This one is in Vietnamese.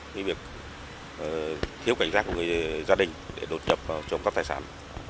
như việc thiếu cảnh sát của người gia đình để đột nhập vào trông cắt tài sản